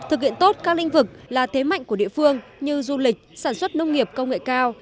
thực hiện tốt các lĩnh vực là thế mạnh của địa phương như du lịch sản xuất nông nghiệp công nghệ cao